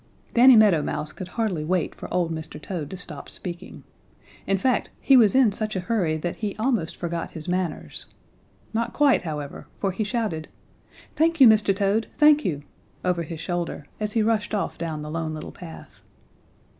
Danny Meadow Mouse could hardly wait for old Mr. Toad to stop speaking. In fact, he was in such a hurry that he almost forgot his manners. Not quite, however, for he shouted "Thank you, Mr. Toad, thank you!" over his shoulder as he rushed off down the Lone Little Path.